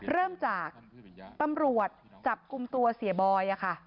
เริ่มจากตำรวจจับกลุ่มตัวเสียบอยค่ะ